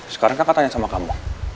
sekarang kamu tanya sama kamu